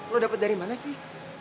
lo dapat dari mana sih